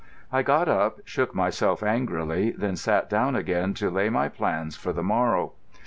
I got up, shook myself angrily, then sat down again to lay my plans for the morrow.